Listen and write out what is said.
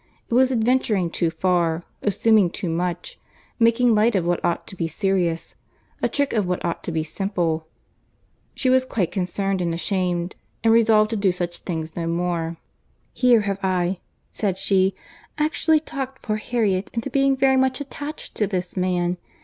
It was adventuring too far, assuming too much, making light of what ought to be serious, a trick of what ought to be simple. She was quite concerned and ashamed, and resolved to do such things no more. "Here have I," said she, "actually talked poor Harriet into being very much attached to this man.